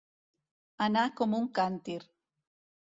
Anar com un càntir.